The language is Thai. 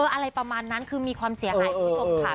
อะไรประมาณนั้นคือมีความเสียหายคุณผู้ชมค่ะ